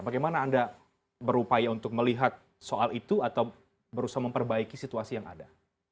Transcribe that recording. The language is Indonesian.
bagaimana anda berupaya untuk melihat soal itu atau berusaha memperbaiki situasi yang ada